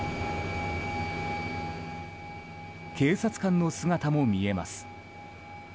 警察官の姿も見えます。